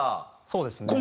そうですね。